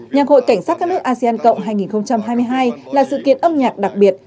nhạc hội cảnh sát các nước asean cộng hai nghìn hai mươi hai là sự kiện âm nhạc đặc biệt